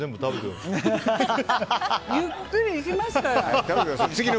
ゆっくりいきますから。